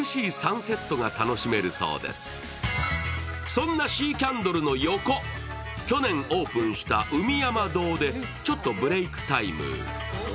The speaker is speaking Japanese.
そんなシーキャンドルの横去年オープンしたＵＭＩＹＡＭＡＤＯでちょっとブレークタイム。